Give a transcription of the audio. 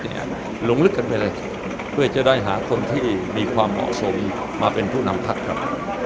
ลงลึกกันไปเลยเพื่อจะได้หาคนที่มีความเหมาะสมมาเป็นผู้นำพักครับ